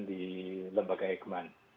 di lembaga ekman